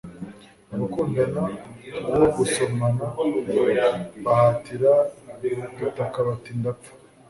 Abakundana uwo gusomana bahatira gutaka bati Ndapfa